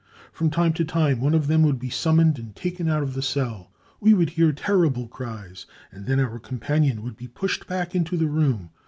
From time to time one of them would be summoned and taken out of the cell. We would hear terrible cries, and then our companion would be'pushed back into the room.